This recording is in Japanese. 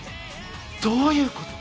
どういうこと？